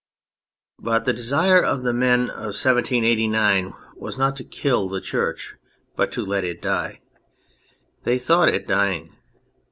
But the desire of the men of 1789 was not to kill the Church but to let it die ; they thought it dying.